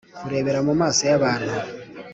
kurebera mumaso yabantu,